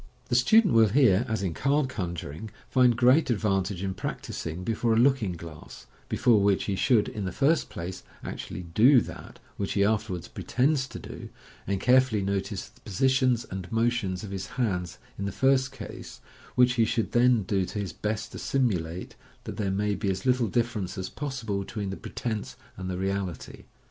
The student will here, as in card conjuring, find great advan tage in practising before a looking glass, before which he should, in the first place, actually do that which he afterwards pretends to do, and carefully notice the positions and motions of his hands in the first case, which he should then do his best to simulate, that there may be as little difference as possible between the pretence and the reality.